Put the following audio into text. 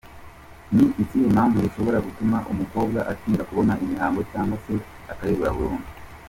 com: Ni izihe mpamvu zishobora gutuma umukobwa atinda kubona imihango cyangwa se akayibura burundu?.